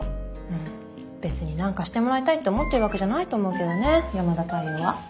別に何かしてもらいたいって思ってるわけじゃないと思うけどね山田太陽は。